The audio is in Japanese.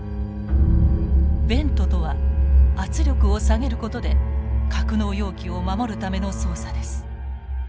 ベントとは圧力を下げることで格納容器を守るための操作です。